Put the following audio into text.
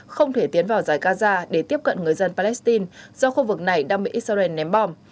không thể tiến vào giải gaza để tiếp cận người dân palestine do khu vực này đang bị israel ném bom